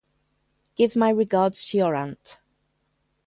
Give my regards to your aunt.